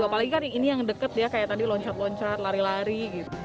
apalagi kan ini yang deket dia kayak tadi loncat loncat lari lari gitu